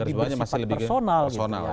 itu kan lebih bersifat personal